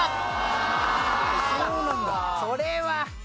それは。